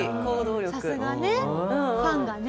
さすがねファンがね。